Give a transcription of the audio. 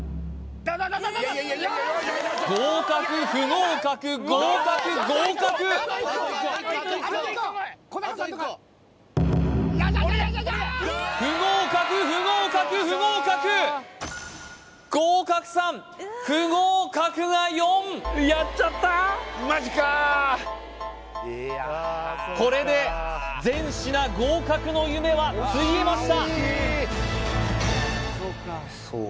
合格不合格合格合格不合格不合格不合格合格３不合格が４これで全品合格の夢はついえました